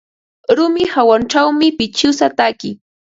Rumi hawanćhawmi pichiwsa taki.